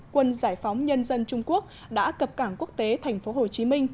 quân giải phóng nhân dân trung quốc đã cập cảng quốc tế tp hcm